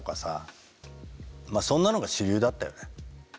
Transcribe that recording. そんなのが主流だったよね。